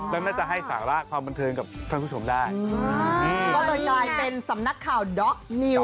และน่าจะให้สามารถความบันเทิงกับคนผู้ชมได้